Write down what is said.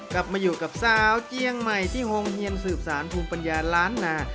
กลับมาอยู่กับสาวเจียงใหม่ที่โฮงเฮียนสืบสารภูมิปัญญาล้านนา